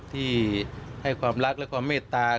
ที่ให้ความรักและความเมตตา